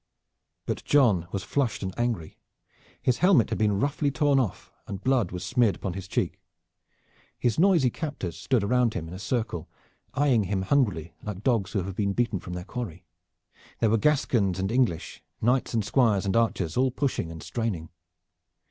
But John was flushed and angry. His helmet had been roughly torn off, and blood was smeared upon his cheek. His noisy captors stood around him in a circle, eying him hungrily like dogs who have been beaten from their quarry. There were Gascons and English, knights, squires and archers, all pushing and straining.